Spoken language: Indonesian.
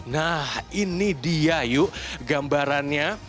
nah ini dia yuk gambarannya